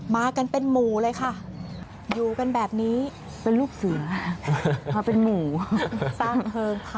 มากันเป็นหมู่เลยค่ะอยู่กันแบบนี้เป็นลูกเสือมาเป็นหมู่สร้างเพลิงค่ะ